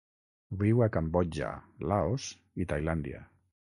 Viu a Cambodja, Laos i Tailàndia.